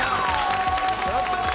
やったー！